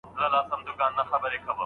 هغوی پخوا خپلو کارونو سره لېوالتیا ښودله.